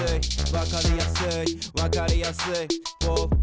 わかりやすいわかりやすいウォウ。